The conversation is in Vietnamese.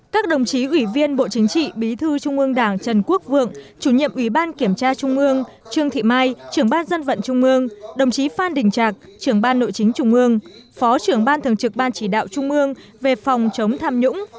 các đồng chí ủy viên bộ chính trị bí thư trung ương đảng trần quốc vượng chủ nhiệm ủy ban kiểm tra trung ương trương thị mai trưởng ban dân vận trung mương đồng chí phan đình trạc trưởng ban nội chính trung ương phó trưởng ban thường trực ban chỉ đạo trung ương về phòng chống tham nhũng